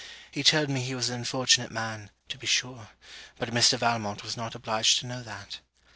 'He told me he was an unfortunate man, to be sure; but Mr. Valmont was not obliged to know that.'